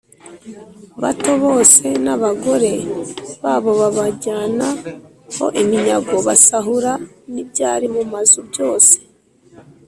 Bato bose n abagore babo babajyana ho iminyago basahura n ibyari mu mazu byose